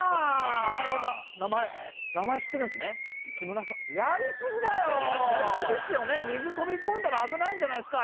名前呼んだ名前名前知ってるんすねやりすぎだよやりすぎっすよね水飛び込んだら危ないんじゃないすか？